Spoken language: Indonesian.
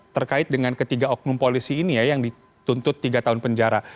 terkait dengan ketiga oknum polisi ini ya yang dituntut tiga tahun penjara